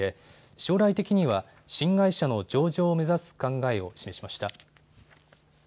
将来的には新会社の上場を目指す考えを示しました。